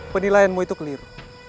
penilaianmu itu keliru